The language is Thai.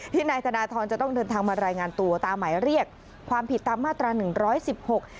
นายธนทรจะต้องเดินทางมารายงานตัวตามหมายเรียกความผิดตามมาตราหนึ่งร้อยสิบหก